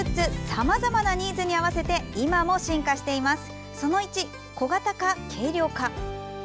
さまざまなニーズに合わせて今も進化しています。